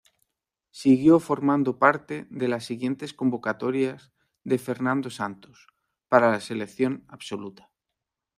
Siguió formando parte de las siguientes convocatorias de Fernando Santos para la selección absoluta.